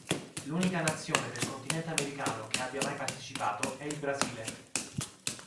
L'unica nazione del continente americano che abbia mai partecipato è il Brasile.